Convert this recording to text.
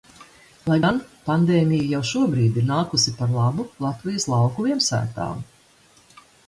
Lai gan – pandēmija jau šobrīd ir nākusi par labu Latvijas lauku viensētām.